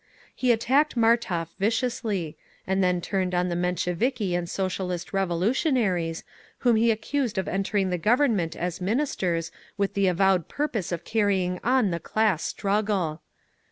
He attacked Martov viciously, and then turned on the Mensheviki and Socialist Revolutionaries, whom he accused of entering the Government as Ministers with the avowed purpose of carrying on the class struggle!